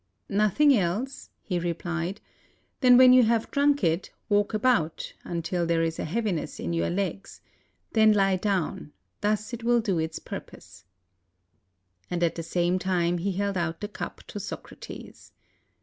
" "Nothing else," he replied, "than when you have drunk it walk about, until there is a heaviness in your legs, then He down; thus it will do its purpose." And at the same time he held out the cup to Socrates.